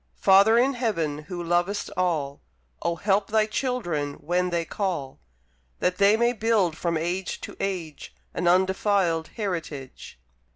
Father in Heaven who lovest all, Oh help Thy children when they call; That they may build from age to age, An undefilèd heritage.